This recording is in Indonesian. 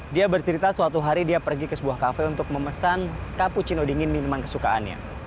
dia bercerita suatu hari dia pergi ke sebuah kafe untuk memesan cappuccino dingin minuman kesukaannya